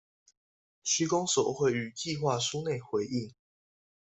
區公所會於計畫書內回應